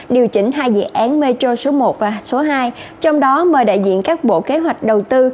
điều chỉnh hai dự án metro số một và số hai trong đó mời đại diện các bộ kế hoạch đầu tư